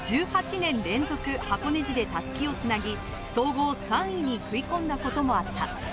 １８年連続、箱根路で襷をつなぎ、総合３位に食い込んだこともあった。